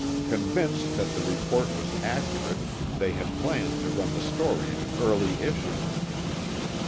Convinced that the report was accurate, they had planned to run the story in an early issue.